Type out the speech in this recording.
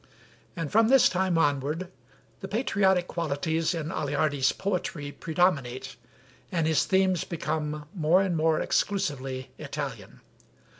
And from this time onward the patriotic qualities in Aleardi's poetry predominate, and his themes become more and more exclusively Italian.